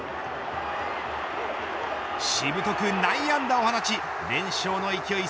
しぶとく内野安打を放ち連勝の勢い